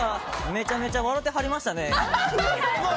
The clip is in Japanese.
めちゃくちゃ笑てはりましたね。